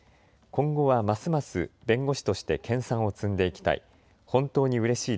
今後はますます弁護士として研さんを積んでいきたい。